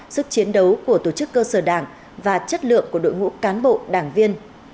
sức chiến đấu của tổ chức cơ sở đảng và chất lượng của đội ngũ cán bộ đảng viên